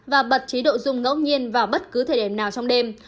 và bật chế độ dùng ngẫu nhiên vào bất cứ thời điểm nào trong đêm